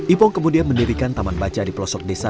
ipong kemudian mendirikan taman baca di pelosok desa